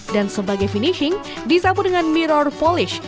dan sebagai finishing disapu dengan mirror polis